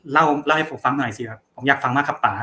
เล่าให้ผมฟังหน่อยสิครับผมอยากฟังมากครับป่า